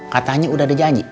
katanya udah ada janji